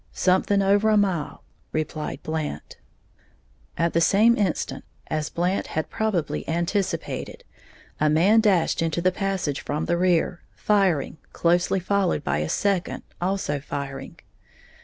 "Something over a mile," replied Blant. At the same instant, as Blant had probably anticipated, a man dashed into the passage from the rear, firing, closely followed by a second, also firing.